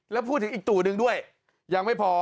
แล้วพูดถึงอีกตู่หนึ่งด้วยยังไม่พอ